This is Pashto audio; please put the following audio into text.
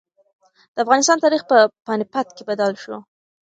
د افغانستان تاریخ په پاني پت کې بدل شو.